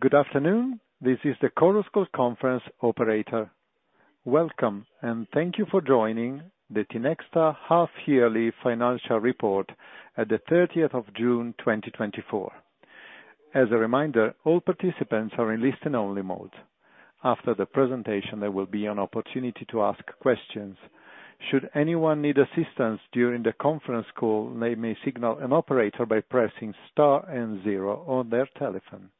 Good afternoon, this is the Chorus Call conference operator. Welcome, and thank you for joining the Tinexta half yearly financial report at the 30th of June, 2024. As a reminder, all participants are in listen only mode. After the presentation, there will be an opportunity to ask questions. Should anyone need assistance during the conference call, they may signal an operator by pressing star and zero on their telephone.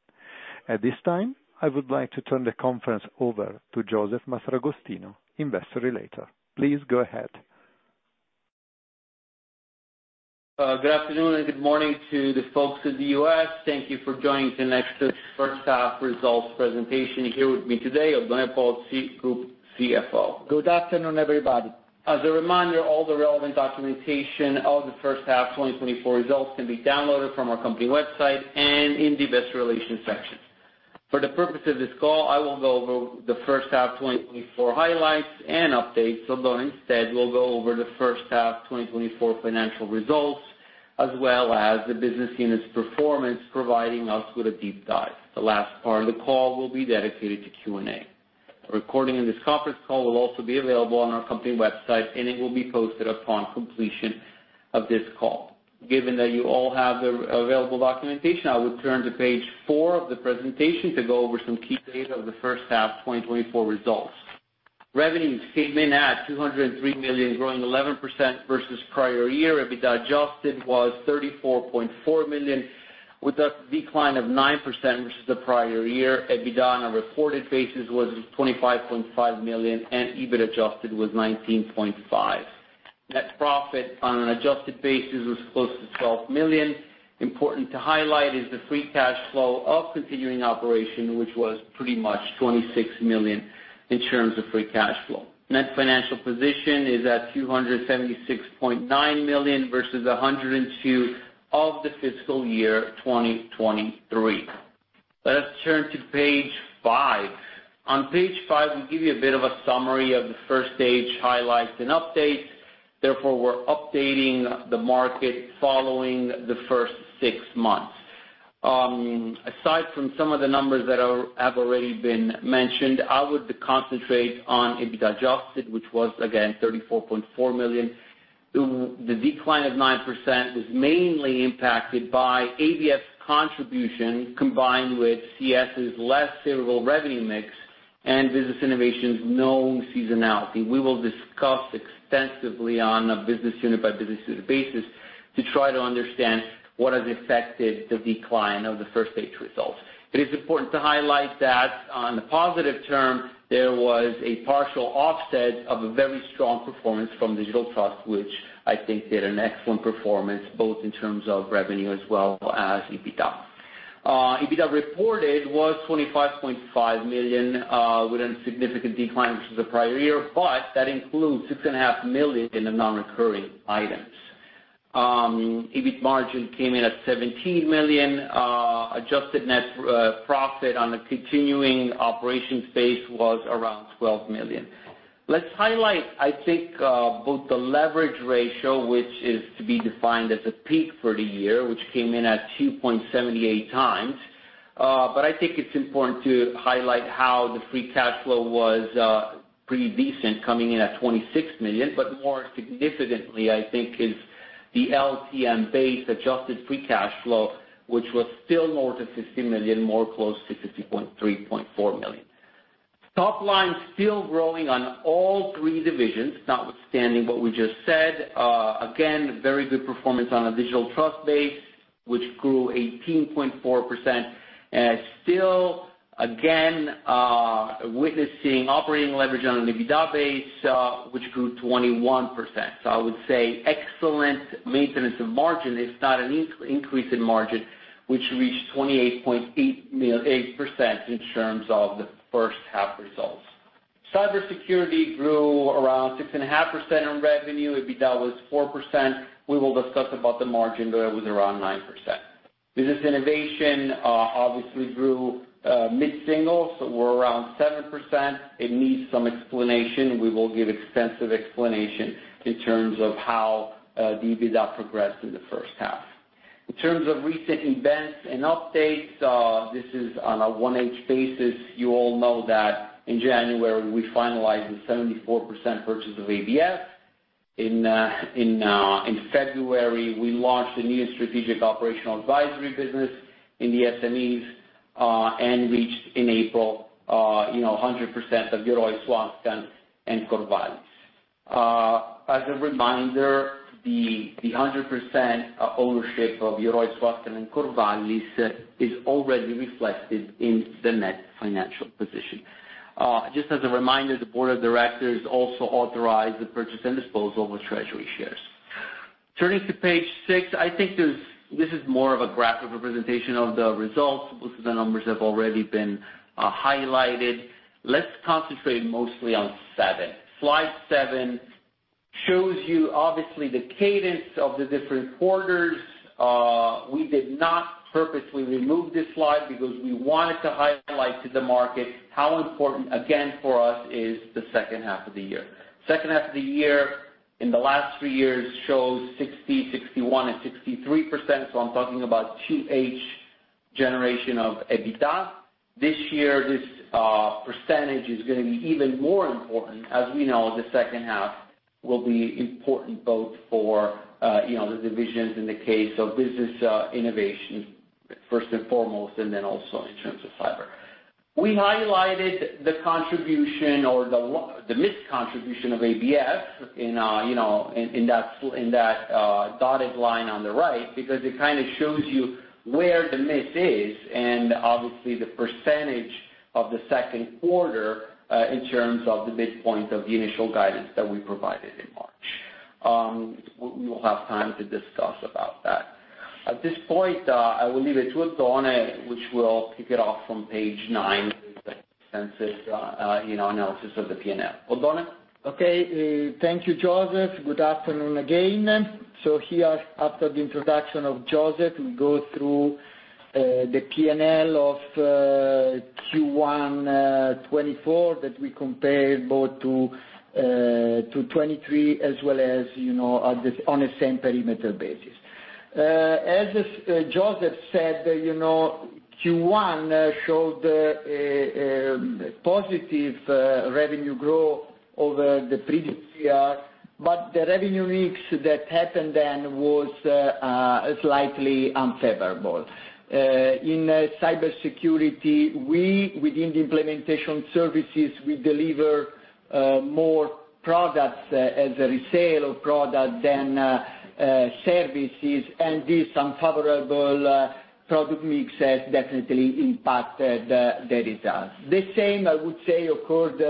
At this time, I would like to turn the conference over to Josef Mastragostino, Investor Relations. Please go ahead. Good afternoon and good morning to the folks in the US. Thank you for joining Tinexta's first half 2024 results presentation. Here with me today is Oddone Pozzi, Group CFO. Good afternoon, everybody. As a reminder, all the relevant documentation of the first half 2024 results can be downloaded from our company website and in the investor relations section. For the purpose of this call, I will go over the first half 2024 highlights and updates, although instead we'll go over the first half 2024 financial results, as well as the business units' performance, providing us with a deep dive. The last part of the call will be dedicated to Q&A. A recording of this conference call will also be available on our company website, and it will be posted upon completion of this call. Given that you all have the available documentation, I would turn to page four of the presentation to go over some key data of the first half 2024 results. Revenues came in at 203 million, growing 11% versus prior year. EBITDA adjusted was 34.4 million, with a decline of 9% versus the prior year. EBITDA on a reported basis was 25.5 million, and EBIT adjusted was 19.5. Net profit on an adjusted basis was close to 12 million. Important to highlight is the free cash flow of continuing operation, which was pretty much 26 million in terms of free cash flow. Net financial position is at 276.9 million versus 102 of the fiscal year 2023. Let us turn to page five. On page five, we give you a bit of a summary of the first H highlights and updates. Therefore, we're updating the market following the first six months. Aside from some of the numbers that have already been mentioned, I would concentrate on EBITDA adjusted, which was again 34.4 million. The decline of 9% was mainly impacted by ABF's contribution, combined with CS's less favorable revenue mix and Business Innovation, no seasonality. We will discuss extensively on a business unit by business unit basis to try to understand what has affected the decline of the first H results. It is important to highlight that on the positive term, there was a partial offset of a very strong performance from Digital Trust, which I think did an excellent performance, both in terms of revenue as well as EBITDA. EBITDA reported was 25.5 million, with a significant decline versus the prior year, but that includes 6.5 million in the non-recurring items. EBIT margin came in at 17 million. Adjusted net profit on a continuing operations base was around 12 million. Let's highlight, I think, both the leverage ratio, which is to be defined as a peak for the year, which came in at 2.78x. But I think it's important to highlight how the free cash flow was, pretty decent, coming in at 26 million, but more significantly, I think, is the LTM-based adjusted free cash flow, which was still more than 50 million, more close to 50.34 million. Top line still growing on all three divisions, notwithstanding what we just said. Again, very good performance on a Digital Trust base, which grew 18.4%. Still, again, witnessing operating leverage on an EBITDA base, which grew 21%. So I would say excellent maintenance of margin, if not an increase in margin, which reached 28.8% in terms of the first half results. Cybersecurity grew around 6.5% in revenue. EBITDA was 4%. We will discuss about the margin, but it was around 9%. Business innovation, obviously grew, mid-single, so we're around 7%. It needs some explanation. We will give extensive explanation in terms of how, the EBITDA progressed in the first half. In terms of recent events and updates, this is on a one-page basis. You all know that in January, we finalized the 74% purchase of ABF. In February, we launched a new strategic operational advisory business in the SMEs and reached in April, you know, 100% of Yoroi, Swascan and Corvallis. As a reminder, the 100% ownership of Yoroi, Swascan and Corvallis is already reflected in the net financial position. Just as a reminder, the board of directors also authorized the purchase and disposal of treasury shares. Turning to page six, I think this is more of a graphic representation of the results. Most of the numbers have already been highlighted. Let's concentrate mostly on seven. Slide seven shows you obviously the cadence of the different quarters. We did not purposely remove this slide because we wanted to highlight to the market how important, again, for us, is the second half of the year. Second half of the year-... In the last three years shows 60%, 61%, and 63%, so I'm talking about 2H generation of EBITDA. This year, this percentage is gonna be even more important. As we know, the second half will be important both for, you know, the divisions in the case of Business Innovation, first and foremost, and then also in terms of cyber. We highlighted the contribution or the missed contribution of ABF in, you know, in that, in that dotted line on the right, because it kind of shows you where the miss is, and obviously, the percentage of the second quarter in terms of the midpoint of the initial guidance that we provided in March. We will have time to discuss about that. At this point, I will leave it to Oddone, which will kick it off from page nine, extensive, you know, analysis of the P&L. Oddone? Okay, thank you, Josef. Good afternoon again. So here, after the introduction of Josef, we go through the P&L of Q1 2024, that we compare both to 2023, as well as, you know, at this, on a same perimeter basis. As Josef said, you know, Q1 showed positive revenue growth over the previous year, but the revenue mix that happened then was slightly unfavorable. In Cybersecurity, we, within the implementation services, we deliver more products as a resale of product than services, and this unfavorable product mix has definitely impacted the results. The same, I would say, occurred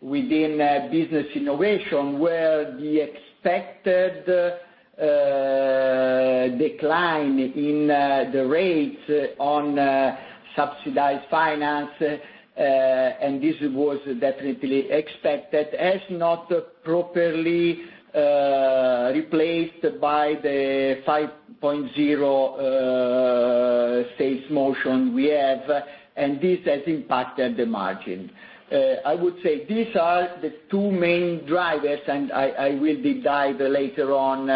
within Business Innovation, where the expected decline in the rates on subsidized finance, and this was definitely expected, has not properly replaced by the 5.0 Transizione we have, and this has impacted the margin. I would say these are the two main drivers, and I will deep dive later on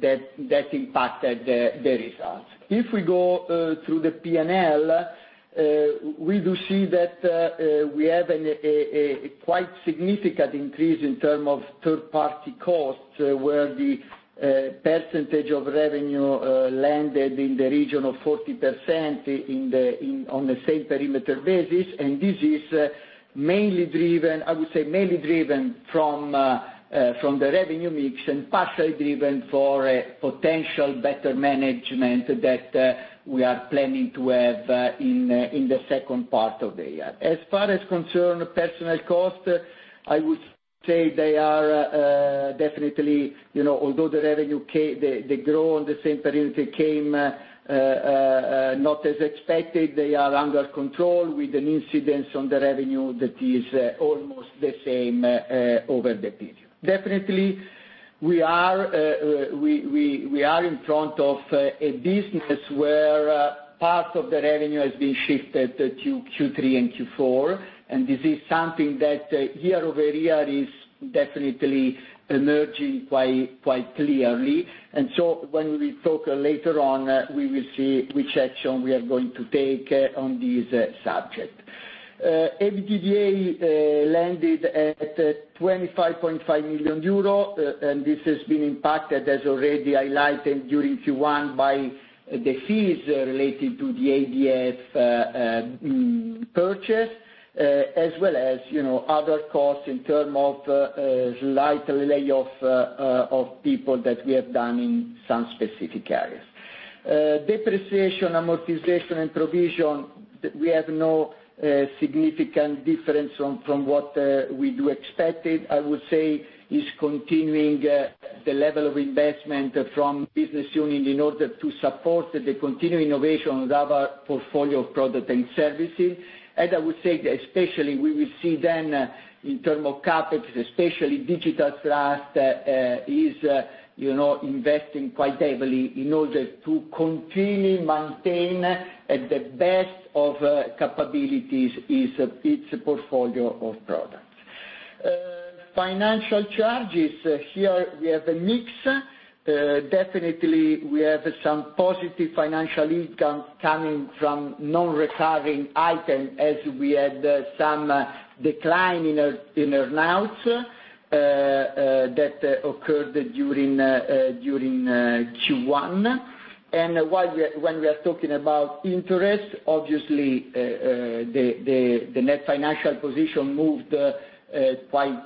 that impacted the results. If we go through the P&L, we do see that we have a quite significant increase in terms of third-party costs, where the percentage of revenue landed in the region of 40% in on the same perimeter basis, and this is mainly driven, I would say, mainly driven from the revenue mix and partially driven for a potential better management that we are planning to have in the second part of the year. As far as concerns personnel costs, I would say they are definitely, you know, although the revenue the growth on the same period came not as expected, they are under control with an incidence on the revenue that is almost the same over the period. Definitely, we are in front of a business where part of the revenue has been shifted to Q3 and Q4, and this is something that year-over-year is definitely emerging quite clearly. And so when we talk later on, we will see which action we are going to take on this subject. EBITDA landed at 25.5 million euro, and this has been impacted, as already highlighted during Q1, by the fees related to the ABF purchase, as well as, you know, other costs in terms of slight layoff of people that we have done in some specific areas. Depreciation, amortization, and provision, we have no significant difference from what we expected. I would say it's continuing the level of investment from business unit in order to support the continuing innovation of our portfolio of product and services. And I would say especially, we will see then, in term of CapEx, especially Digital Trust, you know, investing quite heavily in order to continue maintain at the best of capabilities, its portfolio of products. Financial charges, here we have a mix. Definitely, we have some positive financial income coming from non-recurring item as we had some decline in our earn-outs that occurred during Q1. When we are talking about interest, obviously, the net financial position moved quite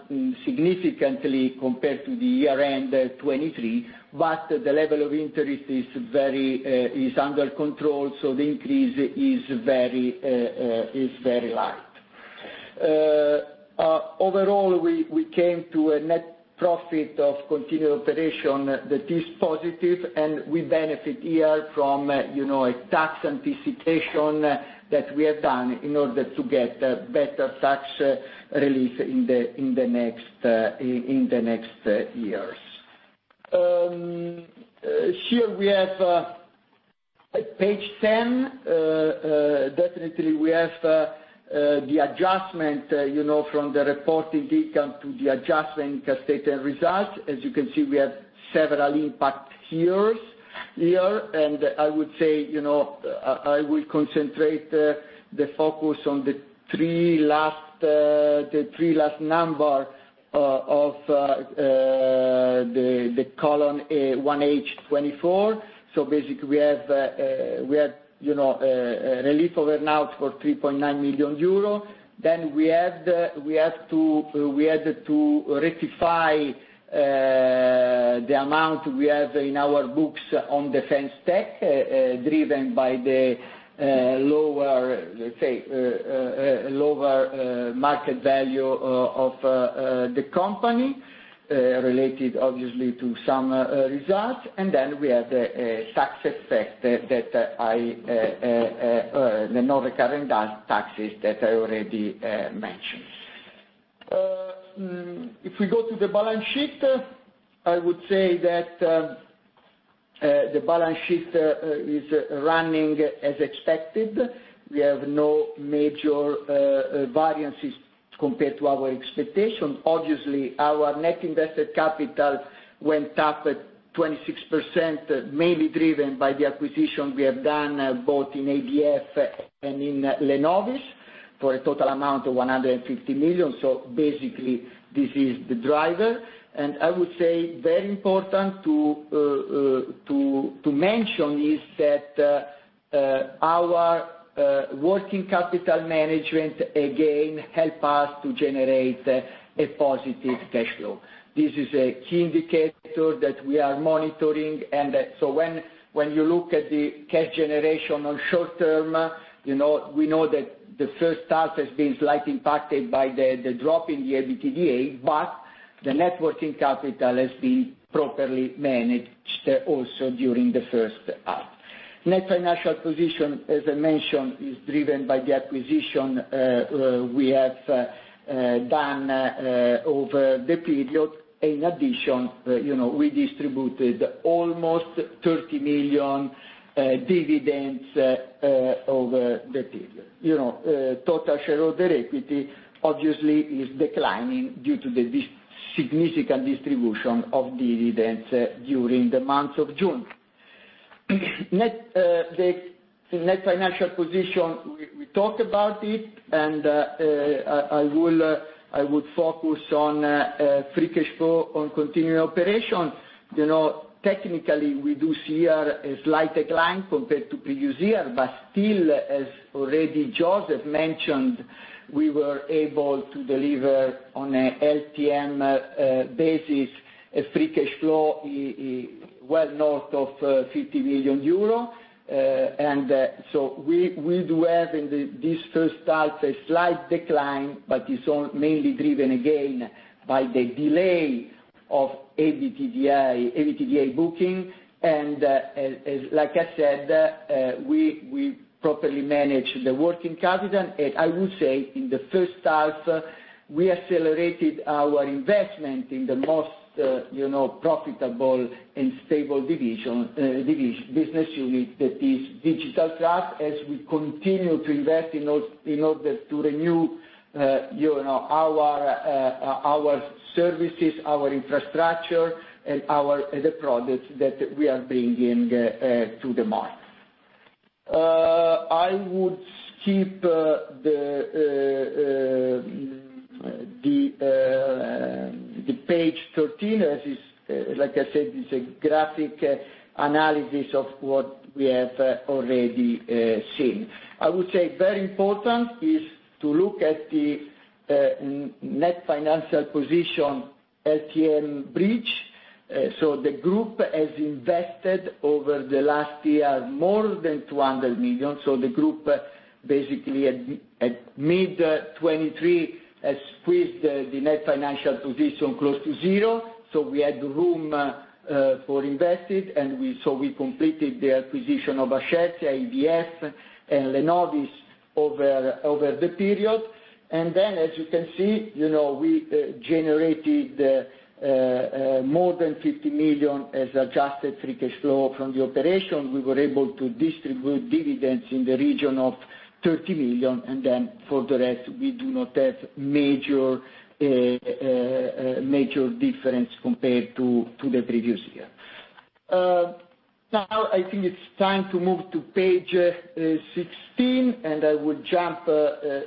significantly compared to the year-end 2023, but the level of interest is very, is under control, so the increase is very, is very light. Overall, we came to a net profit of continued operation that is positive, and we benefit here from, you know, a tax anticipation that we have done in order to get better tax relief in the, in the next, in, in the next years. Here we have page 10, definitely we have the adjustment, you know, from the reported income to the adjustment as stated results. As you can see, we have several impact years, here, and I would say, you know, I will concentrate the focus on the three last, the three last number of the column, 1H 2024. So basically, we have, we have, you know, relief of earn out for 3.9 million euro. Then we had, we had to, we had to rectify the amount we have in our books on Defence Tech, driven by the lower, let's say, lower market value of the company, related obviously to some results. And then we have the success factor that I the non-recurrent tax, taxes that I already mentioned. If we go to the balance sheet, I would say that the balance sheet is running as expected. We have no major variances compared to our expectation. Obviously, our net invested capital went up 26%, mainly driven by the acquisition we have done, both in ABF and in Lenovys, for a total amount of 150 million. So basically, this is the driver. And I would say very important to mention is that our working capital management again help us to generate a positive cash flow. This is a key indicator that we are monitoring, and so when you look at the cash generation on short term, you know, we know that the first half has been slightly impacted by the drop in the EBITDA, but the net working capital has been properly managed also during the first half. Net financial position, as I mentioned, is driven by the acquisition we have done over the period. In addition, you know, we distributed almost 30 million dividends over the period. You know, total shareholder equity, obviously, is declining due to the significant distribution of dividends during the month of June. The net financial position, we talked about it, and I would focus on free cash flow on continuing operations. You know, technically, we do see a slight decline compared to previous year, but still, as already Josef mentioned, we were able to deliver on a LTM basis, a free cash flow well north of 50 million euro. So we do have in this first half, a slight decline, but it's all mainly driven again by the delay of EBITDA, EBITDA booking. And, as like I said, we properly manage the working capital. I would say in the first half, we accelerated our investment in the most, you know, profitable and stable division, business unit, that is Digital Trust, as we continue to invest in order to renew, you know, our services, our infrastructure, and our the products that we are bringing to the market. I would skip the page 13. As is, like I said, it's a graphic analysis of what we have already seen. I would say very important is to look at the net financial position LTM bridge. So the group has invested over the last year, more than 200 million. So the group basically at mid-2023 has squeezed the net financial position close to zero. So we had room for invested, and so we completed the acquisition of Ascertia, ABF, and Lenovys over the period. And then, as you can see, you know, we generated more than 50 million as adjusted free cash flow from the operation. We were able to distribute dividends in the region of 30 million, and then for the rest, we do not have major difference compared to the previous year. Now, I think it's time to move to page 16, and I would jump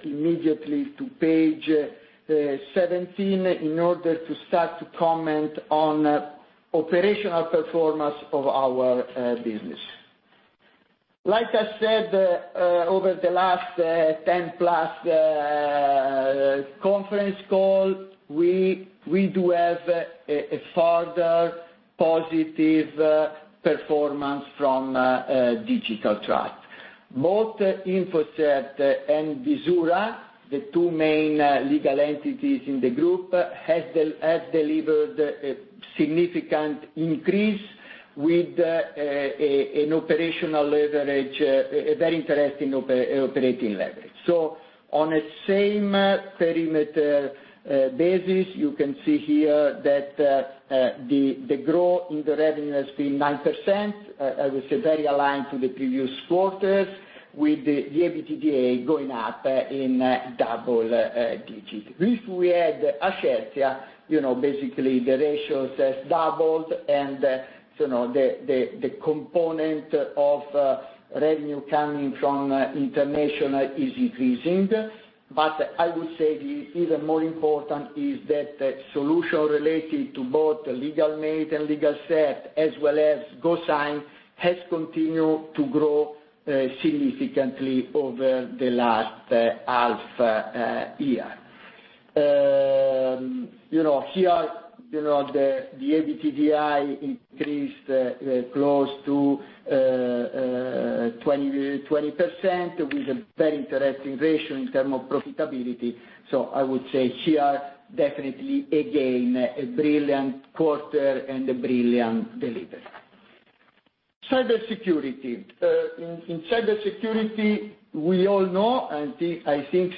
immediately to page 17, in order to start to comment on operational performance of our business. Like I said, over the last 10+ conference call, we do have a further positive performance from Digital Trust. Both InfoCert and Visura, the two main legal entities in the group, has delivered a significant increase with an operational leverage, a very interesting operating leverage. So on a same perimeter basis, you can see here that the growth in the revenue has been 9%, I would say very aligned to the previous quarters, with the EBITDA going up in double digit. If we add Ascertia, you know, basically the ratios has doubled, and, you know, the component of revenue coming from international is increasing. But I would say the even more important is that the solution related to both Legalmail and LegalCert, as well as GoSign, has continued to grow significantly over the last half year. You know, here, you know, the EBITDA increased close to 20%-20%, with a very interesting ratio in terms of profitability. So I would say here, definitely again, a brilliant quarter and a brilliant delivery. Cybersecurity. In Cybersecurity, we all know, and I think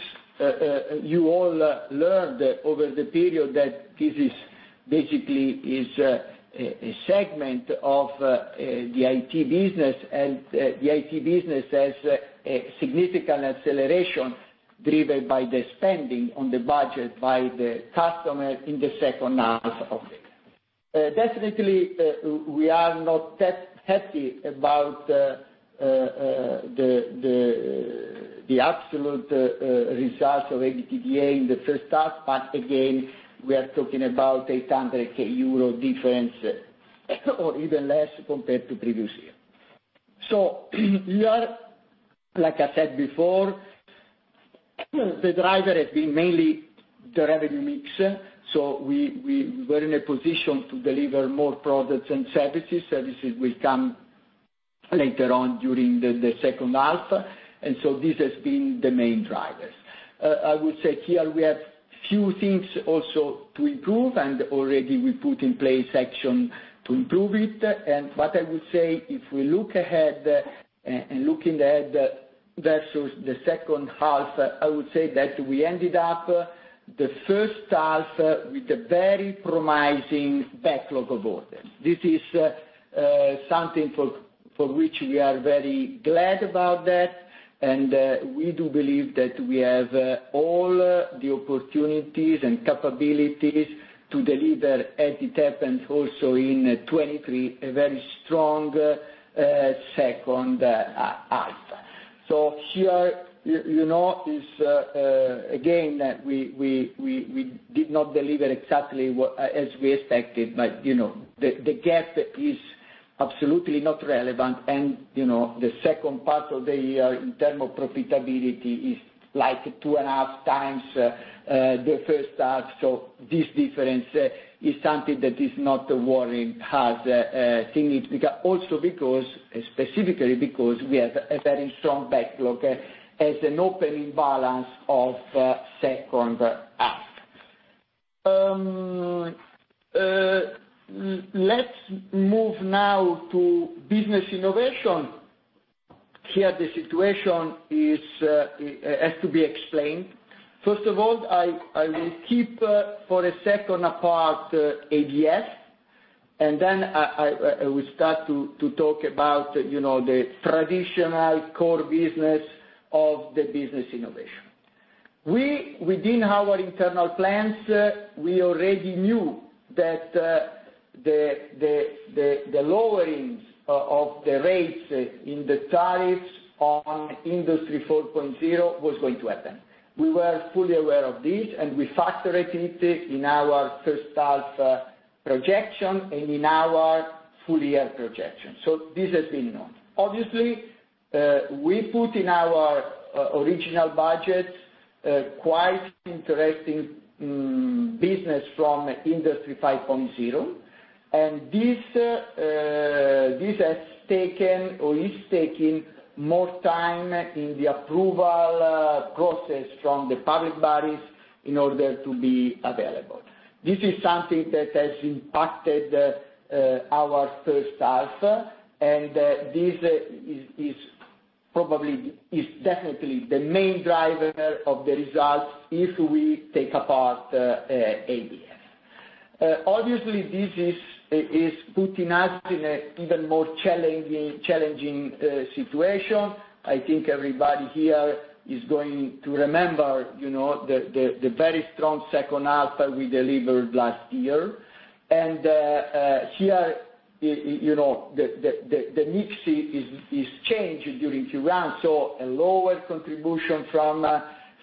you all learned over the period, that this is basically a segment of the IT business, and the IT business has a significant acceleration driven by the spending on the budget by the customer in the second half of it. Definitely, we are not that happy about the absolute results of EBITDA in the first half, but again, we are talking about 800,000 euro difference, or even less compared to previous year. So here, like I said before, the driver has been mainly the revenue mix, so we were in a position to deliver more products and services. Services will come later on, during the second half, and so this has been the main drivers. I would say here we have few things also to improve, and already we put in place action to improve it. And what I would say, if we look ahead, and looking ahead versus the second half, I would say that we ended up the first half with a very promising backlog of orders. This is, something for which we are very glad about that, and, we do believe that we have, all the opportunities and capabilities to deliver, as it happens also in 2023, a very strong, second half. So here, you know, is again that we did not deliver exactly what as we expected, but, you know, the gap is absolutely not relevant. And, you know, the second part of the year, in terms of profitability, is like 2.5x the first half, so this difference is something that is not worrying thing. Also because, specifically because we have a very strong backlog as an opening balance of the second half. Let's move now to Business Innovation. Here, the situation has to be explained. First of all, I will keep for a second apart, ABF, and then I will start to talk about, you know, the traditional core business of the Business Innovation. We, within our internal plans, we already knew that, the lowering of the rates in the tariffs on Industry 4.0 was going to happen. We were fully aware of this, and we factorized it in our first half projection and in our full year projection, so this has been known. Obviously, we put in our original budget, quite interesting business from Industry 5.0, and this has taken or is taking more time in the approval process from the public bodies in order to be available. This is something that has impacted our first half, and this is probably definitely the main driver of the results if we take apart ABF. Obviously, this is putting us in a even more challenging situation. I think everybody here is going to remember, you know, the very strong second half that we delivered last year. And here, you know, the mix is changed during the year, so a lower contribution from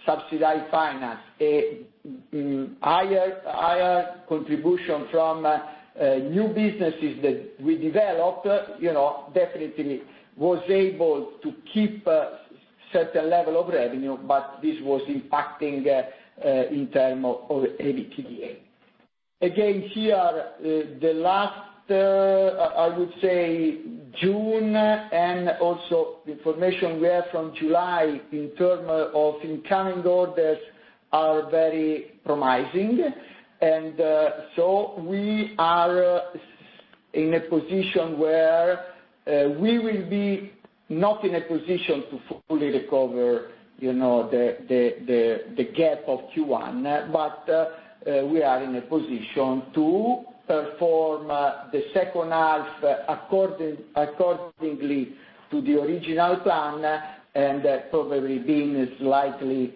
subsidized finance, a higher contribution from new businesses that we developed, you know, definitely was able to keep certain level of revenue, but this was impacting in terms of EBITDA. Again, here, the last, I would say, June and also the information we have from July in terms of incoming orders are very promising. So we are in a position where we will be not in a position to fully recover, you know, the gap of Q1, but we are in a position to perform the second half accordingly to the original plan, and probably being slightly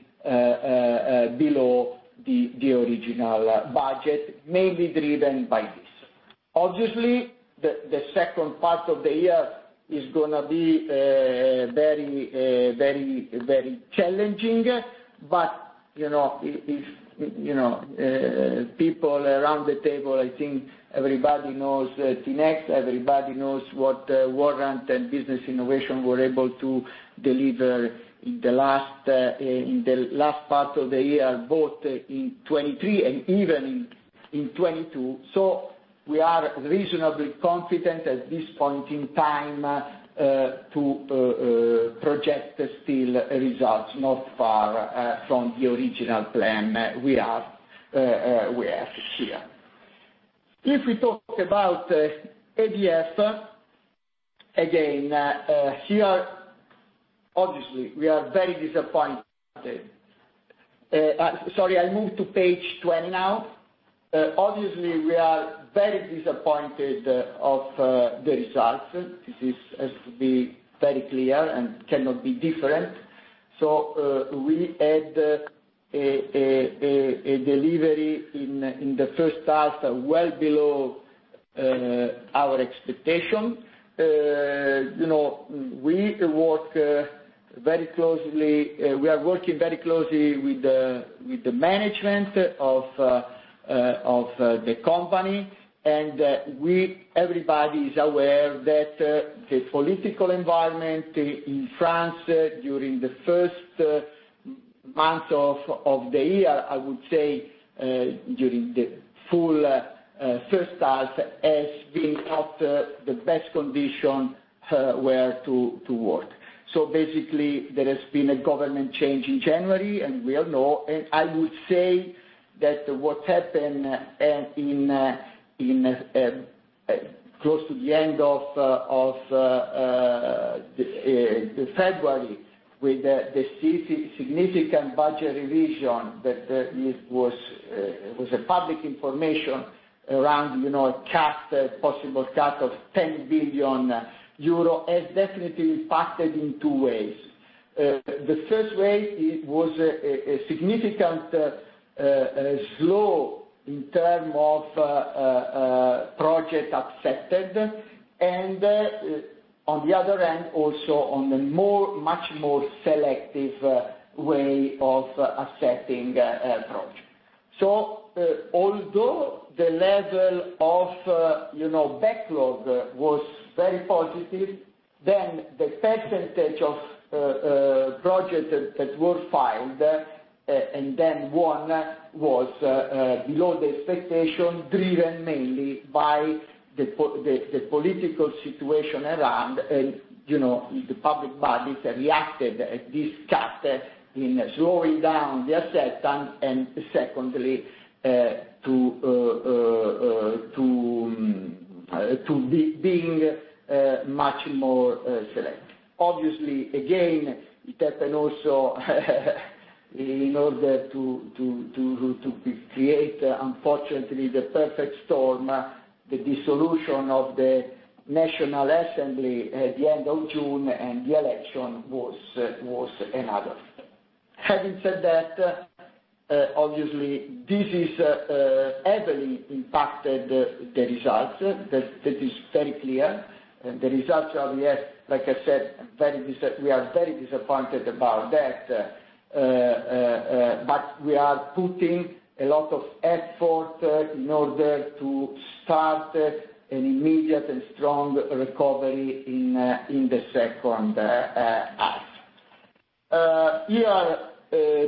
below the original budget, mainly driven by this. Obviously, the second part of the year is going to be very, very, very challenging, but you know, if people around the table, I think everybody knows Tinexta, everybody knows what Warrant and Business Innovation were able to deliver in the last part of the year, both in 2023 and even in 2022. So we are reasonably confident at this point in time to project still results not far from the original plan we have here. If we talk about EBITDA, again here, obviously, we are very disappointed. Sorry, I move to page 20 now. Obviously, we are very disappointed of the results. This has to be very clear and cannot be different. So, we had a delivery in the first half, well below our expectation. You know, we work very closely, we are working very closely with the management of the company, and everybody is aware that the political environment in France during the first months of the year, I would say, during the full first half, has been not the best condition where to work. So basically, there has been a government change in January, and we all know, and I would say that what happened in close to the end of the February, with the significant budget revision, that it was public information around, you know, cut, possible cut of 10 billion euro, has definitely impacted in two ways. The first way, it was a significant slow in term of project accepted, and on the other hand, also on the more much more selective way of accepting approach. So, although the level of you know, backlog was very positive, then the percentage of projects that were filed and then won was below the expectation, driven mainly by the political situation around, and you know, the public bodies reacted at this cut in slowing down the acceptance, and secondly, to be being much more selective. Obviously, again, it happened also in order to create, unfortunately, the perfect storm, the dissolution of the National Assembly at the end of June, and the election was another. Having said that, obviously, this is heavily impacted the results. That is very clear. And the results are, we are, like I said, very disap- we are very disappointed about that, but we are putting a lot of effort in order to start an immediate and strong recovery in the second half. Here,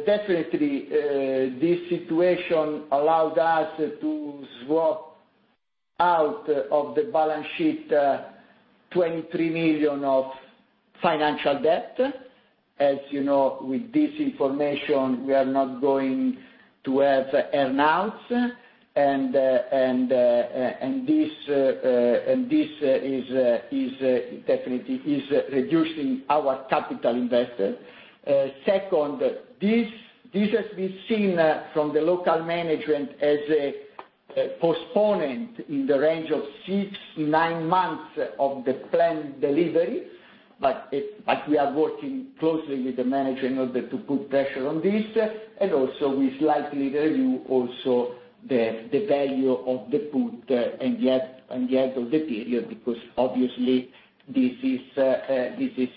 definitely, this situation allowed us to swap out of the balance sheet 23 million of financial debt. As you know, with this information, we are not going to have announce, and this is definitely reducing our capital investment. Second, this has been seen from the local management as a postponement in the range of six to nine months of the planned delivery, but we are working closely with the management in order to put pressure on this, and also we slightly review also the value of the put and the at, and the end of the period, because obviously this is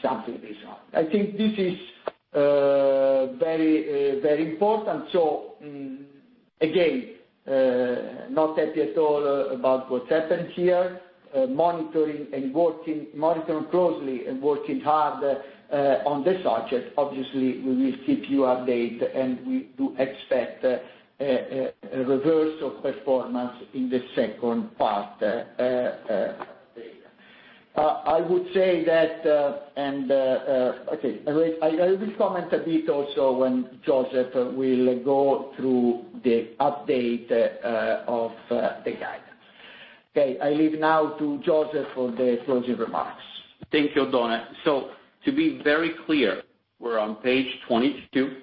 something result. I think this is very important. So, again, not happy at all about what's happened here. Monitoring closely and working hard on the subject. Obviously, we will keep you updated, and we do expect a reverse of performance in the second part of the year. I would say that, okay, I will comment a bit also when Josef will go through the update of the guidance. Okay, I leave now to Josef for the closing remarks. Thank you, Oddone. So to be very clear, we're on page 22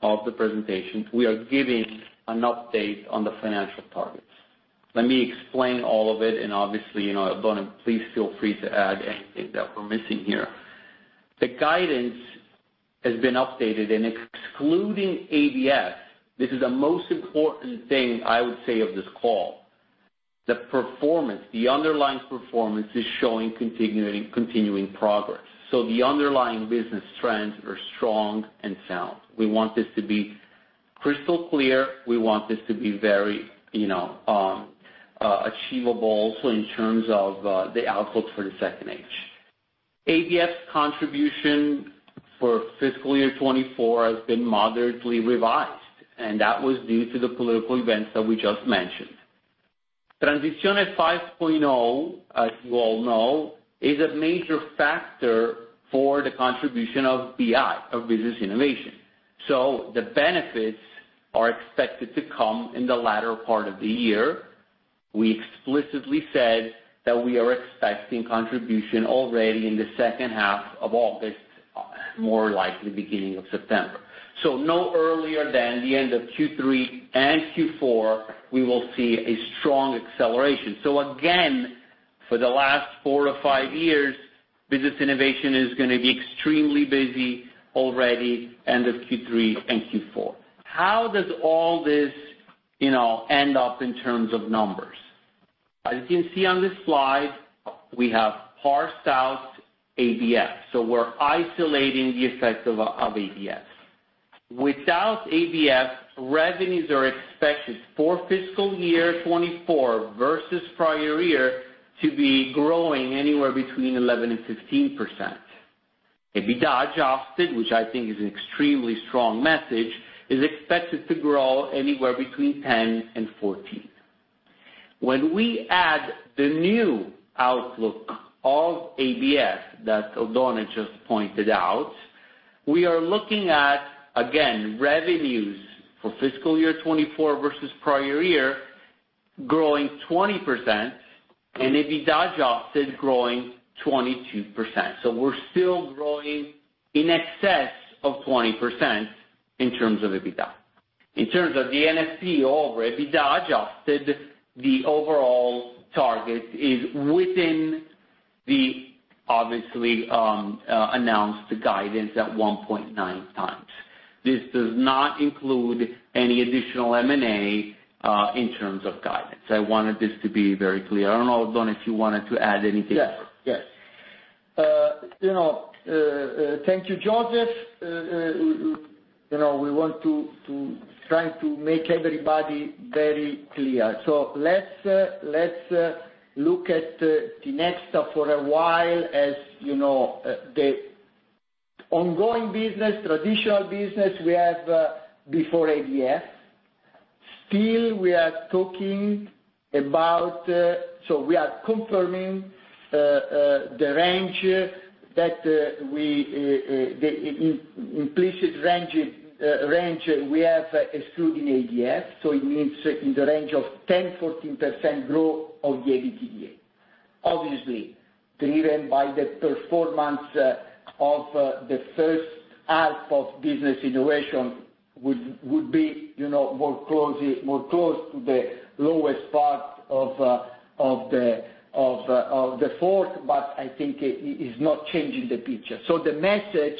of the presentation. We are giving an update on the financial targets. Let me explain all of it, and obviously, you know, Oddone, please feel free to add anything that we're missing here. The guidance has been updated, and excluding ABF, this is the most important thing I would say of this call. The performance, the underlying performance, is showing continuing progress. So the underlying business trends are strong and sound. We want this to be crystal clear. We want this to be very, you know, achievable also in terms of the outlook for the second age. ABF's contribution for fiscal year 2024 has been moderately revised, and that was due to the political events that we just mentioned. Transizione 5.0, as you all know, is a major factor for the contribution of BI, of Business Innovation. So the benefits are expected to come in the latter part of the year. We explicitly said that we are expecting contribution already in the second half of August, more likely beginning of September. So no earlier than the end of Q3 and Q4, we will see a strong acceleration. So again, for the last four to five years, Business Innovation is gonna be extremely busy already, end of Q3 and Q4. How does all this, you know, end up in terms of numbers? As you can see on this slide, we have parsed out ABF, so we're isolating the effect of, of ABF. Without ABF, revenues are expected for fiscal year 2024 versus prior year, to be growing anywhere between 11%-15%. EBITDA adjusted, which I think is an extremely strong message, is expected to grow anywhere between 10% and 14%. When we add the new outlook of ABF that Oddone just pointed out, we are looking at, again, revenues for fiscal year 2024 versus prior year, growing 20%, and EBITDA adjusted growing 22%. So we're still growing in excess of 20% in terms of EBITDA. In terms of the NFP over EBITDA adjusted, the overall target is within the obviously announced guidance at 1.9x. This does not include any additional M&A in terms of guidance. I wanted this to be very clear. I don't know, Oddone, if you wanted to add anything? Yes, yes. You know, thank you, Josef. You know, we want to try to make everybody very clear. So let's look at Tinexta for a while, as you know, the ongoing business, traditional business we have before ABF. Still, we are talking about. So we are confirming the range that we the implicit range, range we have excluding ABF, so it means in the range of 10%-14% growth of the EBITDA. Obviously, driven by the performance of the first half of Business Innovation, would be, you know, more closely, more close to the lowest part of the range, but I think it is not changing the picture. So the message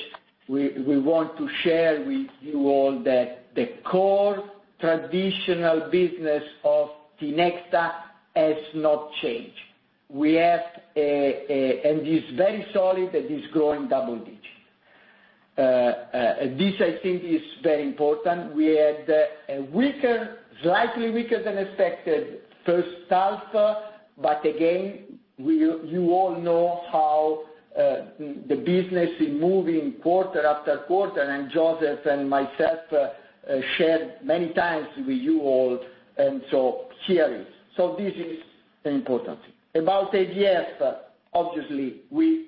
we want to share with you all that the core traditional business of Tinexta has not changed. We have and is very solid, and is growing double digits. This, I think, is very important. We had a weaker, slightly weaker than expected first half, but again, you all know how the business is moving quarter after quarter, and Josef and myself shared many times with you all, and so here is. So this is important. About ABF, obviously, we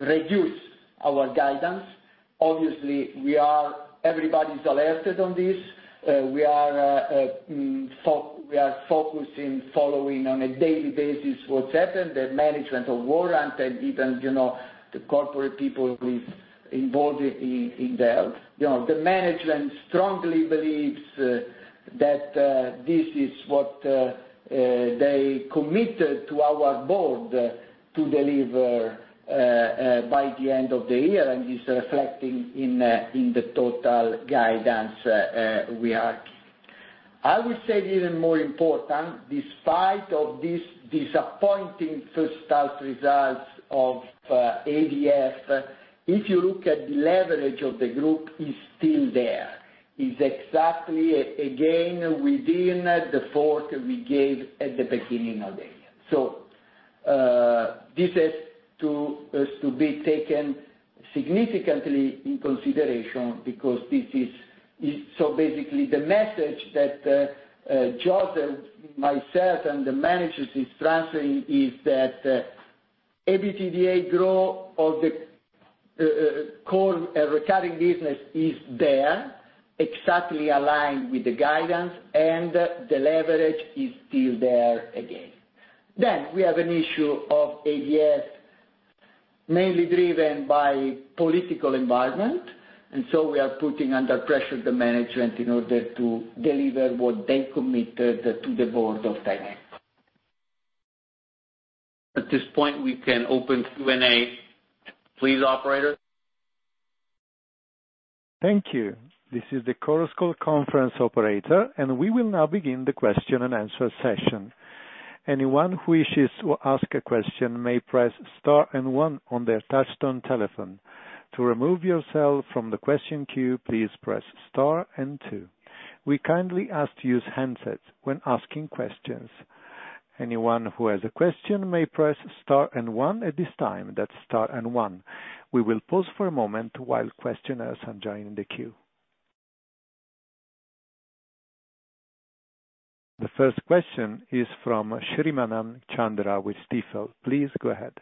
reduce our guidance. Obviously, we are everybody's alerted on this. We are focusing, following on a daily basis what happened, the management of Warrant and even, you know, the corporate people who is involved in the health. You know, the management strongly believes that this is what they committed to our board to deliver by the end of the year, and is reflecting in the total guidance we are. I would say even more important, despite this disappointing first half results of ABF, if you look at the leverage of the group, is still there. Is exactly, again, within the fourth we gave at the beginning of the year. So, this has to be taken significantly in consideration because this is. So basically, the message that Charles and myself and the managers is transferring is that EBITDA growth of the core recurring business is there, exactly aligned with the guidance, and the leverage is still there again. Then we have an issue of ABF, mainly driven by political environment, and so we are putting under pressure the management in order to deliver what they committed to the board of Tinexta. At this point, we can open Q&A. Please, operator. Thank you. This is the Chorus Call conference operator, and we will now begin the question and answer session. Anyone who wishes to ask a question may press star and one on their touchtone telephone. To remove yourself from the question queue, please press star and two. We kindly ask to use handsets when asking questions. Anyone who has a question may press star and one at this time. That's star and one. We will pause for a moment while questioners are joining the queue. The first question is from Sriman Chandra with Stifel. Please, go ahead.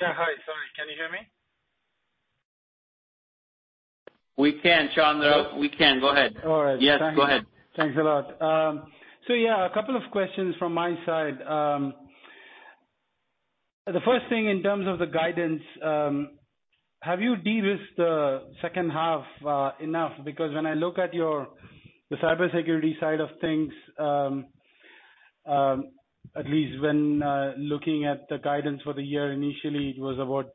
Yeah, hi. Sorry, can you hear me? We can, Chandra. We can go ahead. All right. Yes, go ahead. Thanks a lot. So yeah, a couple of questions from my side. The first thing in terms of the guidance, have you de-risked the second half, enough? Because when I look at your, the Cybersecurity side of things, at least when, looking at the guidance for the year, initially it was about,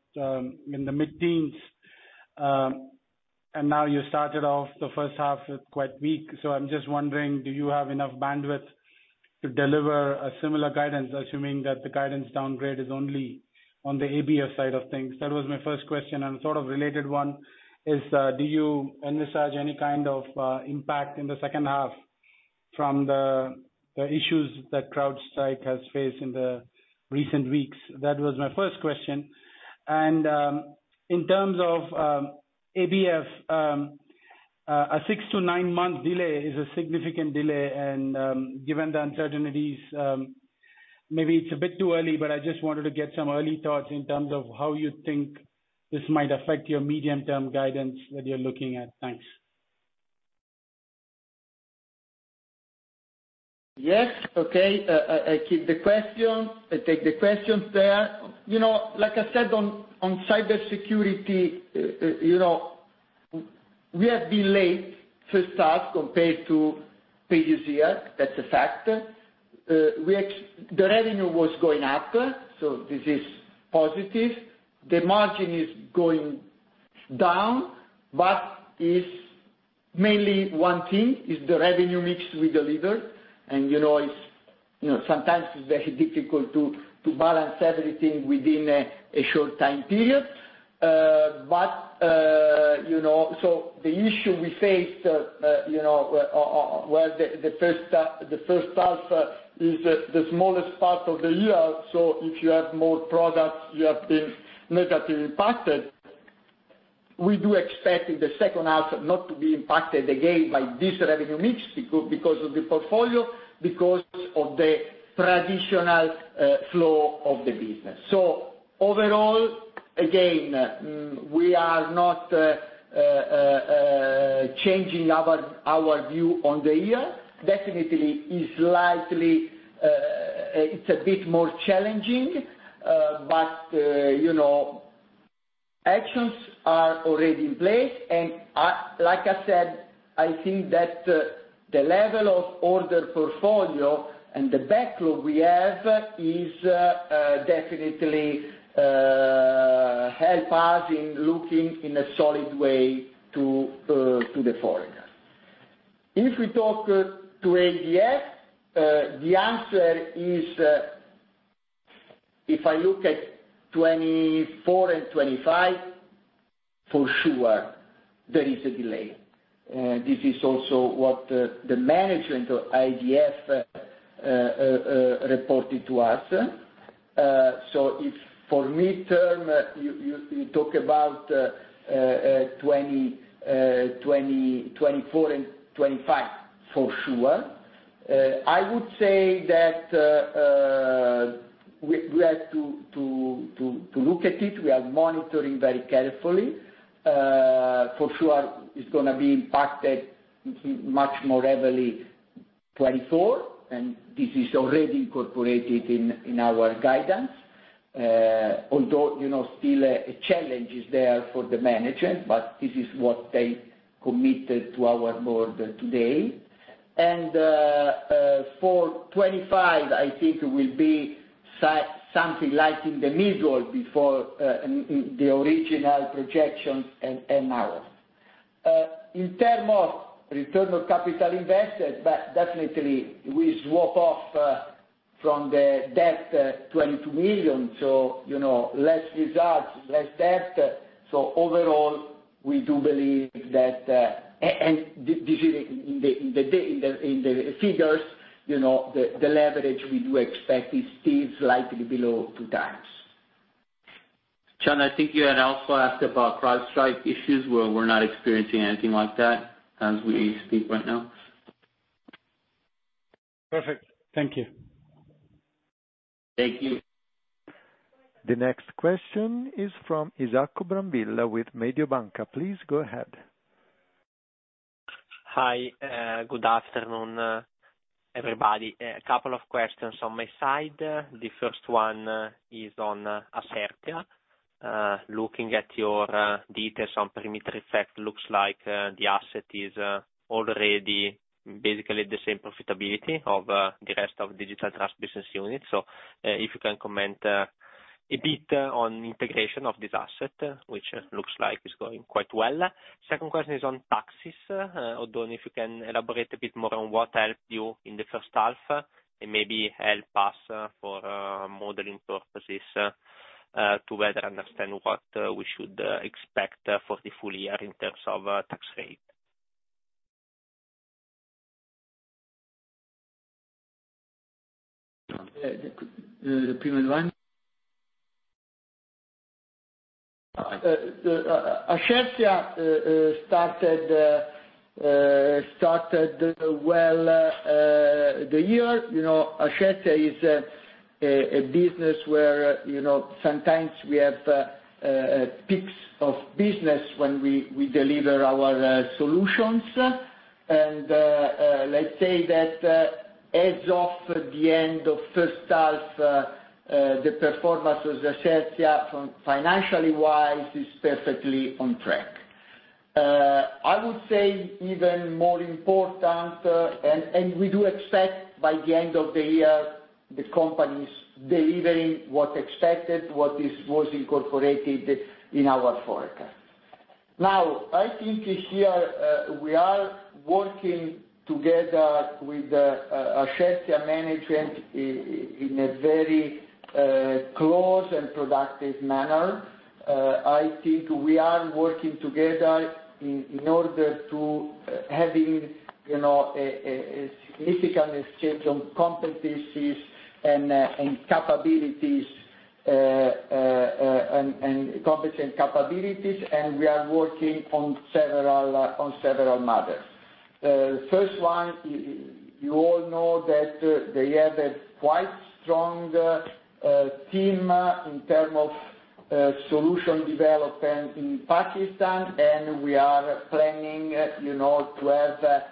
in the mid-teens, and now you started off the first half quite weak. So I'm just wondering, do you have enough bandwidth to deliver a similar guidance, assuming that the guidance downgrade is only on the ABF side of things? That was my first question, and sort of related one is, do you envisage any kind of, impact in the second half from the, the issues that CrowdStrike has faced in the recent weeks? That was my first question. In terms of ABF, a six to nine-month delay is a significant delay, and given the uncertainties, maybe it's a bit too early, but I just wanted to get some early thoughts in terms of how you think this might affect your medium-term guidance that you're looking at. Thanks. Yes, okay. I keep the questions. I take the questions there. You know, like I said, on Cybersecurity, you know, we are delayed to start compared to previous year. That's a fact. The revenue was going up, so this is positive. The margin is going down, but it's mainly one thing, is the revenue mix we delivered. You know, it's, you know, sometimes it's very difficult to balance everything within a short time period. You know, so the issue we faced, you know, where the first half is the smallest part of the year, so if you have more products, you have been negatively impacted. We do expect in the second half not to be impacted again by this revenue mix, because of the portfolio, because of the traditional flow of the business. So overall, again, we are not changing our view on the year. Definitely, it is slightly more challenging, but you know, actions are already in place. And like I said, I think that the level of order portfolio and the backlog we have is definitely help us in looking in a solid way to the forward. If we talk to ABF, the answer is, if I look at 2024 and 2025, for sure, there is a delay. This is also what the management of ABF reported to us. So if for midterm, you talk about 2024 and 2025, for sure. I would say that we have to look at it. We are monitoring very carefully. For sure, it's gonna be impacted much more heavily, 2024, and this is already incorporated in our guidance. Although, you know, still a challenge is there for the management, but this is what they committed to our board today. For 2025, I think it will be something like in the middle before the original projections and ours. In terms of return of capital investors, but definitely we swap off from the debt 22 million, so, you know, less results, less debt. So overall, we do believe that this is in the figures, you know, the leverage we do expect is still slightly below 2x. John, I think you had also asked about CrowdStrike issues. Well, we're not experiencing anything like that as we speak right now. Perfect. Thank you. Thank you. The next question is from Isacco Brambilla with Mediobanca. Please go ahead. Hi, good afternoon, everybody. A couple of questions on my side. The first one is on Ascertia. Looking at your details on perimeter effect, looks like the asset is already basically the same profitability of the rest of Digital Trust business unit. So, if you can comment a bit on integration of this asset, which looks like it's going quite well. Second question is on taxes. Although if you can elaborate a bit more on what helped you in the first half, it maybe help us for modeling purposes to better understand what we should expect for the full year in terms of tax rate. The first one? Ascertia started well the year. You know, Ascertia is a business where, you know, sometimes we have peaks of business when we deliver our solutions. And let's say that as of the end of first half the performance of Ascertia from financially wise is perfectly on track. I would say even more important, and we do expect by the end of the year, the company's delivering what's expected, what was incorporated in our forecast. Now, I think here we are working together with the Ascertia management in a very close and productive manner. I think we are working together in order to having, you know, a significant exchange on competencies and capabilities, and we are working on several matters. First one, you all know that they have a quite strong team in terms of solution development in Pakistan, and we are planning, you know, to have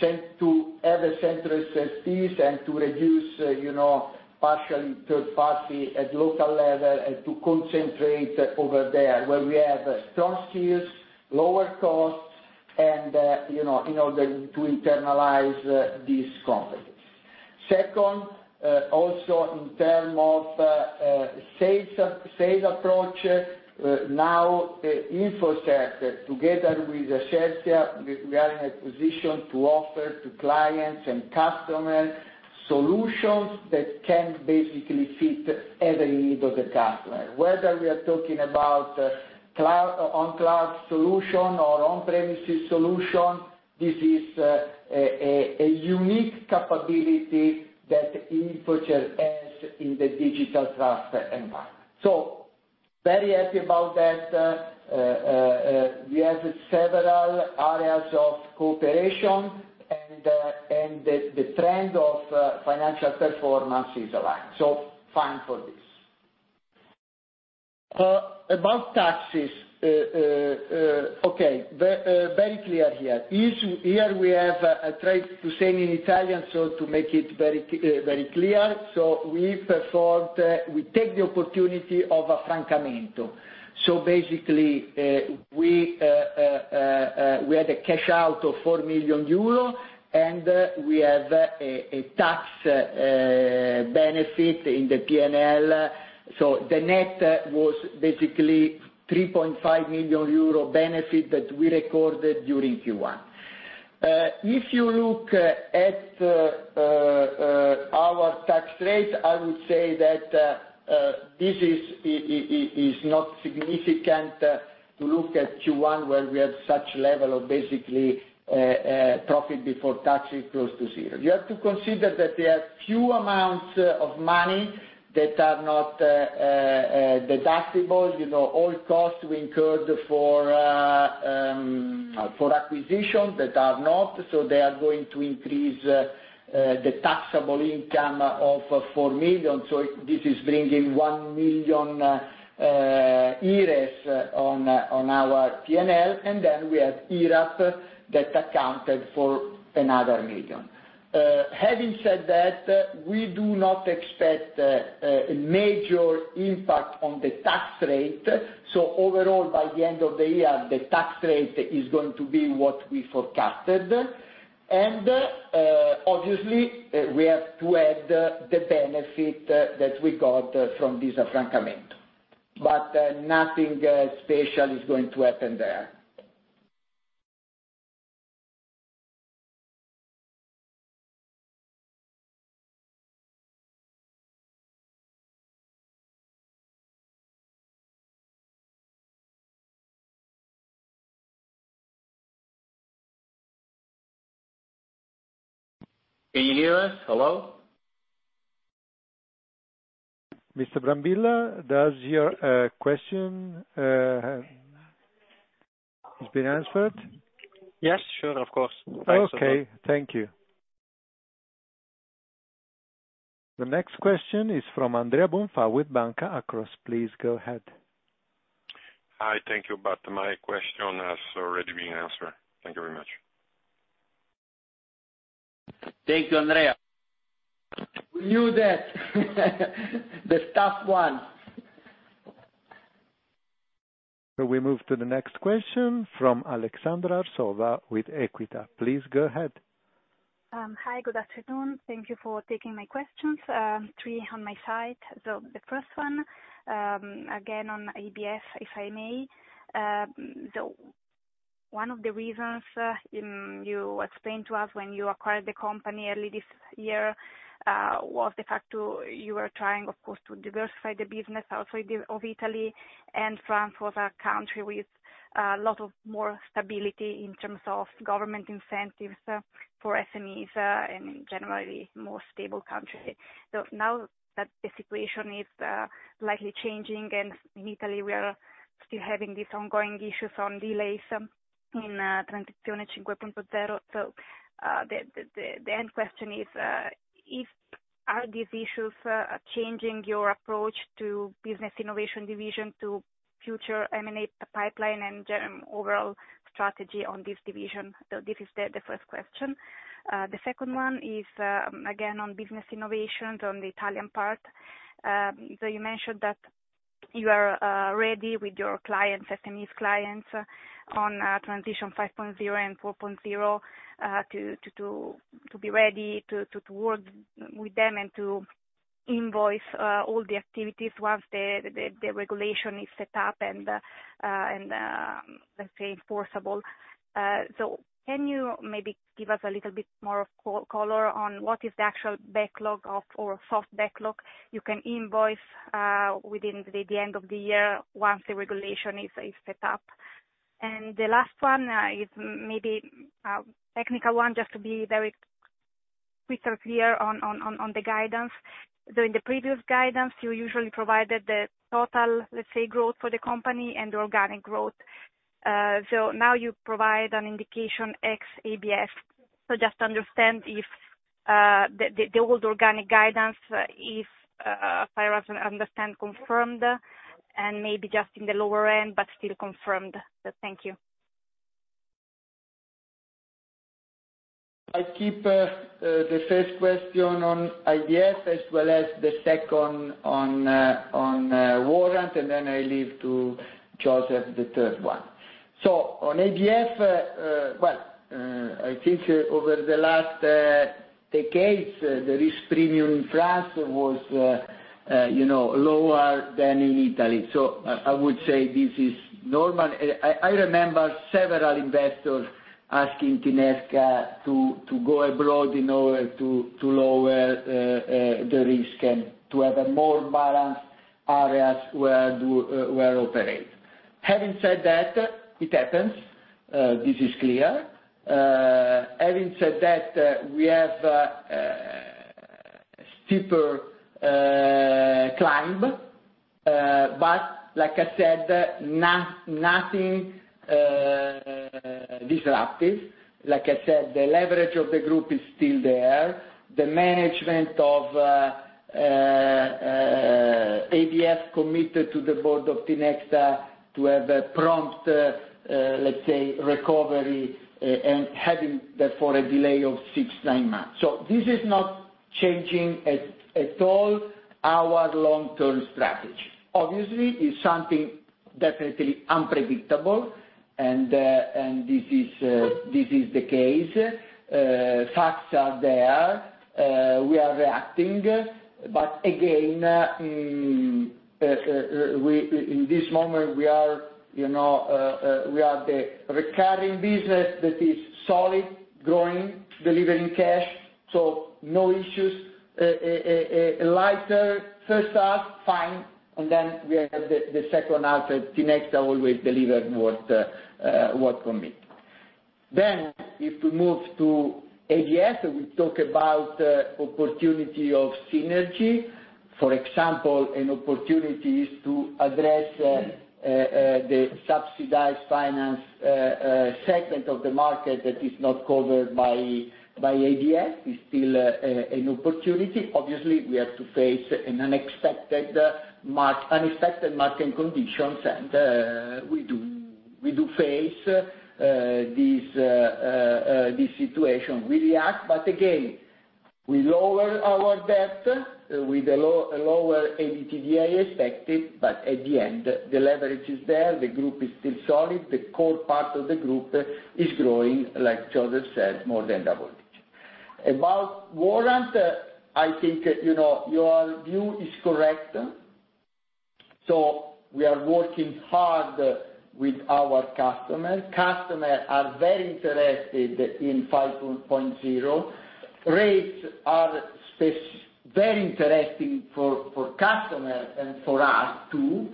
sent to have a central safety and to reduce, you know, partially third party at local level, and to concentrate over there, where we have strong skills, lower costs, and, you know, in order to internalize these companies. Second, also in terms of sales approach, now, InfoCert together with Ascertia, we are in a position to offer to clients and customers solutions that can basically fit every need of the customer. Whether we are talking about cloud or on-premises solution, this is a unique capability that InfoCert has in the Digital Trust environment. So very happy about that. We have several areas of cooperation and the trend of financial performance is aligned. So fine for this. About taxes, okay, very clear here. Here we have a trade to say in Italian, so to make it very clear. So we performed, we take the opportunity of affrancamento. So basically, we had a cash out of 4 million euro, and we have a tax benefit in the P&L. So the net was basically 3.5 million euro benefit that we recorded during Q1. If you look at our tax rate, I would say that this is not significant to look at Q1, where we have such level of basically profit before tax is close to zero. You have to consider that there are few amounts of money that are not deductible. You know, all costs we incurred for acquisition that are not, so they are going to increase the taxable income of 4 million. So this is bringing 1 million on our P&L, and then we have IRAP that accounted for another 1 million. Having said that, we do not expect a major impact on the tax rate. So overall, by the end of the year, the tax rate is going to be what we forecasted. And, obviously, we have to add the benefit that we got from this affrancamento. But, nothing special is going to happen there. Can you hear us? Hello? Mr. Brambilla, does your question have? It's been answered? Yes, sure. Of course. Okay. Thank you. The next question is from Andrea Bonfà with Banca Akros. Please go ahead. Hi. Thank you, but my question has already been answered. Thank you very much. Thank you, Andrea. We knew that, the tough one. We move to the next question from Alessandro Piva with Equita. Please go ahead. Hi, good afternoon. Thank you for taking my questions. Three on my side. So the first one, again, on ABF, if I may. So one of the reasons you explained to us when you acquired the company early this year was the fact, too, you were trying, of course, to diversify the business outside of Italy, and France was a country with a lot of more stability in terms of government incentives for SMEs, and generally more stable country. So now that the situation is likely changing, and in Italy, we are still having these ongoing issues on delays in Transizione 5.0. So the end question is, if are these issues changing your approach to Business Innovation division to future M&A pipeline and general overall strategy on this division? So this is the first question. The second one is, again, on Business Innovations on the Italian part. So you mentioned that you are ready with your clients, SME clients on transition 5.0 and 4.0, to be ready to work with them and to invoice all the activities once the regulation is set up and, let's say, enforceable. So can you maybe give us a little bit more color on what is the actual backlog of, or soft backlog you can invoice within the end of the year, once the regulation is set up? And the last one is maybe a technical one, just to be very quick or clear on the guidance. During the previous guidance, you usually provided the total, let's say, growth for the company and organic growth. So now you provide an indication ex ABF. So just to understand if the old organic guidance, if as far as I understand, confirmed, and maybe just in the lower end, but still confirmed. So thank you. I keep the first question on ABF, as well as the second on warrant, and then I leave to Josef, the third one. So on ABF, well, I think over the last decades, the risk premium in France was, you know, lower than in Italy, so I would say this is normal. I remember several investors asking Fineco to go abroad in order to lower the risk and to have a more balanced areas where operate. Having said that, it happens, this is clear. Having said that, we have steeper climb, but like I said, nothing disruptive. Like I said, the leverage of the group is still there. The management of ABF committed to the board of Tinexta to have a prompt, let's say, recovery, and having therefore, a delay of six to nine months. So this is not changing at all our long-term strategy. Obviously, it's something definitely unpredictable, and this is the case. Facts are there. We are reacting, but again, we -- in this moment, we are, you know, we are the recurring business that is solid, growing, delivering cash, so no issues. A lighter first half, fine, and then we have the second half, at Tinexta always delivered what commit. Then if we move to ABF, we talk about opportunity of synergy. For example, an opportunity is to address the subsidized finance segment of the market that is not covered by by ABF, is still an opportunity. Obviously, we have to face an unexpected market, unexpected market conditions, and we do face this situation. We react, but again, we lower our debt with a lower EBITDA expected, but at the end, the leverage is there, the group is still solid, the core part of the group is growing, like Josef said, more than double-digit. About Warrant, I think, you know, your view is correct. So we are working hard with our customers. Customers are very interested in 5.0. Rates are spectacular. Very interesting for customers and for us, too.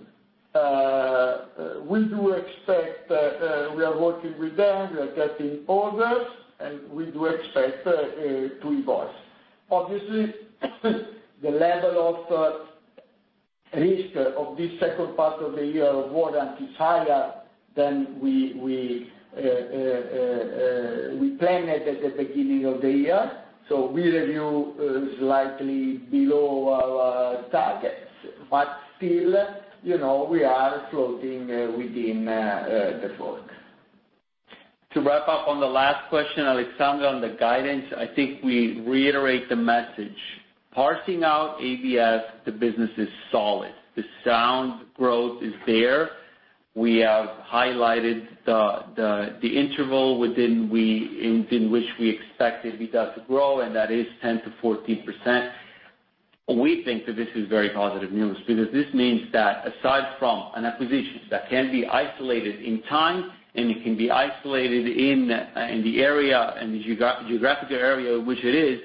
We do expect we are working with them, we are getting orders, and we do expect to invoice. Obviously, the level of risk of this second part of the year of Warrant is higher than we planned it at the beginning of the year. So we review slightly below our targets, but still, you know, we are floating within the floor. To wrap up on the last question, Alessandro, on the guidance, I think we reiterate the message. Parsing out ABF, the business is solid. The sound growth is there. We have highlighted the interval within which we expect EBITDA to grow, and that is 10%-14%. We think that this is very positive news, because this means that aside from an acquisition that can be isolated in time, and it can be isolated in the area, in the geographical area, which it is,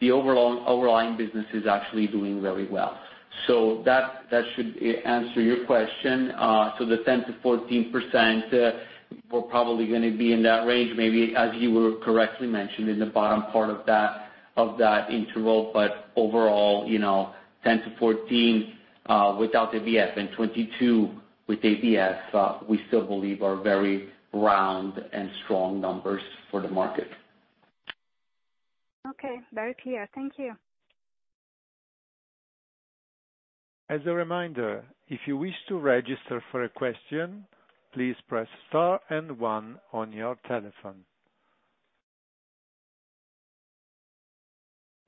the overall underlying business is actually doing very well. So that should answer your question. So the 10%-14%, we're probably gonna be in that range, maybe as you were correctly mentioned, in the bottom part of that interval. Overall, you know, 10-14 without ABF and 22 with ABF, we still believe are very round and strong numbers for the market. Okay, very clear. Thank you. As a reminder, if you wish to register for a question, please press star and one on your telephone.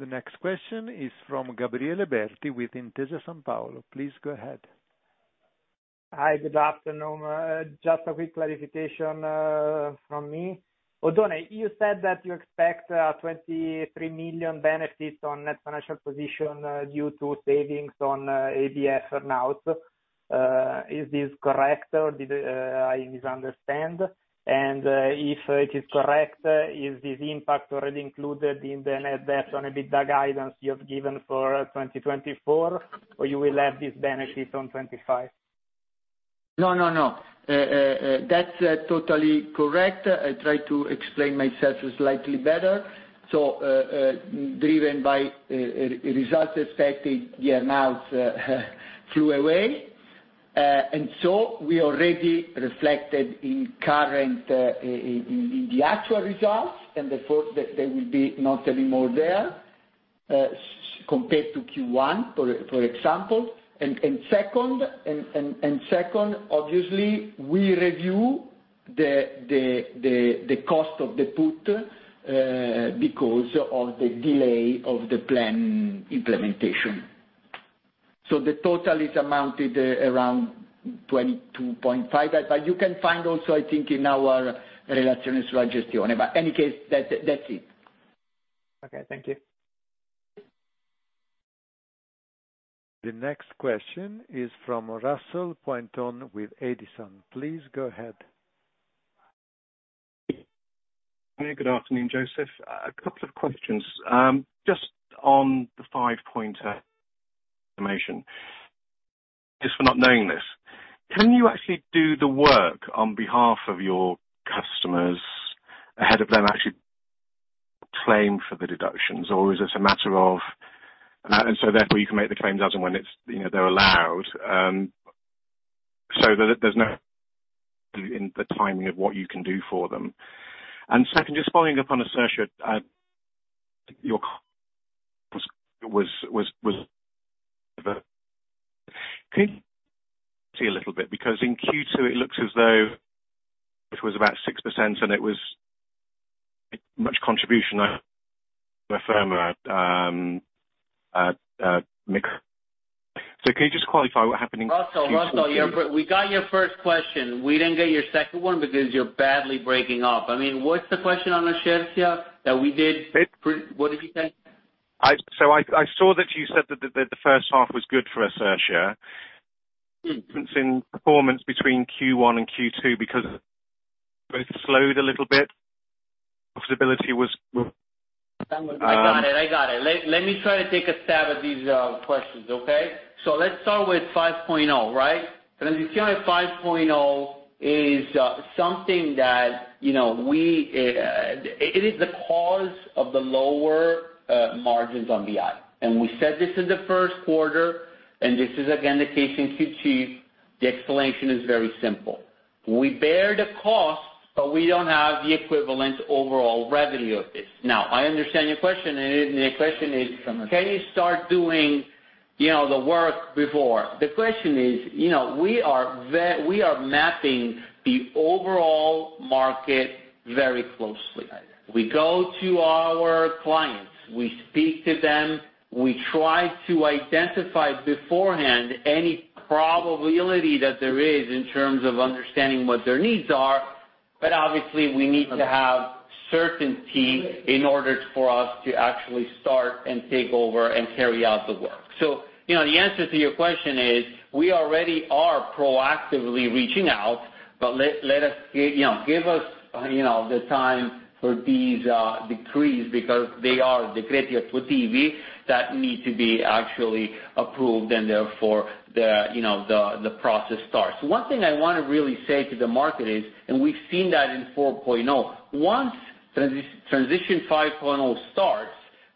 The next question is from Gabriele Berti with Intesa Sanpaolo. Please go ahead. Hi, good afternoon. Just a quick clarification from me. Oddone, you said that you expect 23 million benefits on net financial position due to savings on ABF for now. Is this correct, or did I misunderstand? And, if it is correct, is this impact already included in the net debt on EBITDA guidance you have given for 2024, or you will have this benefit on 2025? No, no, no. That's totally correct. I try to explain myself slightly better. So, driven by results expected, the amounts flew away. And so we already reflected in current, in the actual results, and therefore, they will be not anymore there, compared to Q1, for example. And second, obviously, we review the cost of the put, because of the delay of the plan implementation. So the total is amounted around 22.5, but you can find also, I think, in our relazioni gestionali. But any case, that's it. Okay, thank you. The next question is from Russell Pointon with Edison. Please go ahead. Hey, good afternoon, Josef. A couple of questions. Just on the 5.0 information, just for not knowing this, can you actually do the work on behalf of your customers ahead of them actually claim for the deductions? Or is this a matter of, and so therefore, you can make the claims as and when it's, you know, they're allowed, so that there's no in the timing of what you can do for them. And second, just following up on Ascertia, your was... Can you see a little bit? Because in Q2, it looks as though it was about 6% and it was much contribution firm, mix. So can you just qualify what happened in Q2? Russell, Russell, you're breaking up. We got your first question. We didn't get your second one because you're badly breaking up. I mean, what's the question on Ascertia that we did- It- What did you say? So, I saw that you said that the first half was good for Ascertia. Mm-hmm. Difference in performance between Q1 and Q2, because it slowed a little bit. Profitability was- I got it. I got it. Let, let me try to take a stab at these questions, okay? So let's start with 5.0, right? And if you see 5.0 is something that, you know, we... It is the cause of the lower margins on BI. And we said this is the first quarter, and this is again the case in Q2. The explanation is very simple. We bear the costs, but we don't have the equivalent overall revenue of this. Now, I understand your question, and the question is, can you start doing, you know, the work before? The question is, you know, we are mapping the overall market very closely. We go to our clients, we speak to them, we try to identify beforehand any probability that there is in terms of understanding what their needs are, but obviously, we need to have certainty in order for us to actually start and take over and carry out the work. So, you know, the answer to your question is, we already are proactively reaching out. But let us get, you know, give us, you know, the time for these decrees, because they are decreti attuativi that need to be actually approved, and therefore, the, you know, the process starts. One thing I wanna really say to the market is, and we've seen that in 4.0, once transition 5.0 starts,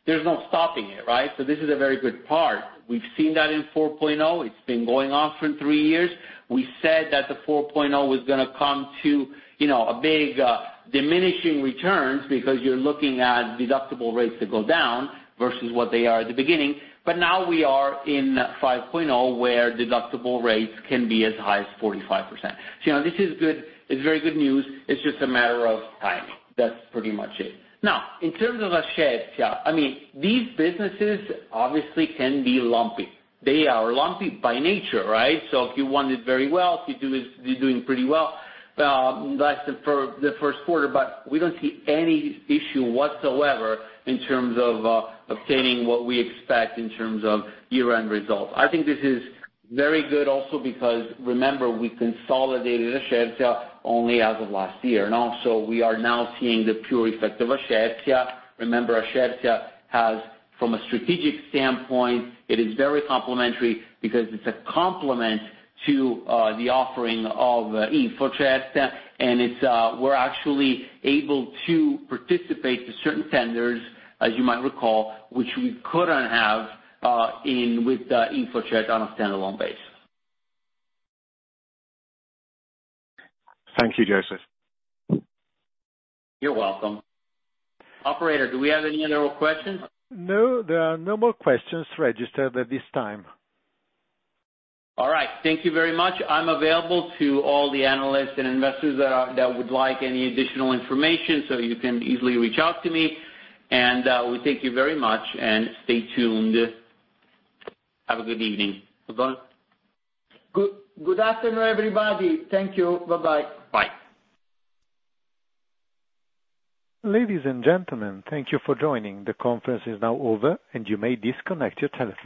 there's no stopping it, right? So this is a very good part. We've seen that in 4.0. It's been going on for three years. We said that the 4.0 was gonna come to, you know, a big, diminishing returns, because you're looking at deductible rates that go down versus what they are at the beginning. But now we are in 5.0, where deductible rates can be as high as 45%. So, you know, this is good. It's very good news. It's just a matter of timing. That's pretty much it. Now, in terms of Ascertia, I mean, these businesses obviously can be lumpy. They are lumpy by nature, right? So if you want it very well, if you do it, they're doing pretty well, that's for the first quarter, but we don't see any issue whatsoever in terms of, obtaining what we expect in terms of year-end results. I think this is very good also because remember, we consolidated Ascertia only as of last year, and also we are now seeing the pure effect of Ascertia. Remember, Ascertia has, from a strategic standpoint, it is very complementary because it's a complement to the offering of InfoCert, and it's... We're actually able to participate to certain tenders, as you might recall, which we couldn't have with InfoCert on a standalone basis. Thank you, Josef. You're welcome. Operator, do we have any other questions? No, there are no more questions registered at this time. All right. Thank you very much. I'm available to all the analysts and investors that would like any additional information, so you can easily reach out to me. And, we thank you very much, and stay tuned. Have a good evening. Bye-bye. Good, good afternoon, everybody. Thank you. Bye-bye. Bye. Ladies and gentlemen, thank you for joining. The conference is now over, and you may disconnect your telephone.